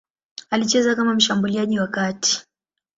Alicheza kama mshambuliaji wa kati.